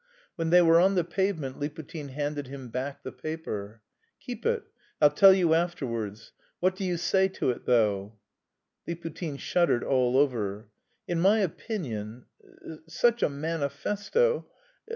When they were on the pavement Liputin handed him back the paper. "Keep it; I'll tell you afterwards.... What do you say to it, though?" Liputin shuddered all over. "In my opinion... such a manifesto...